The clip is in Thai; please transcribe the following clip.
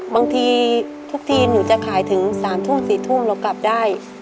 บางทีทุกทีหนูจะขายถึง๓ทุ่ม๔ทุ่มเรากลับได้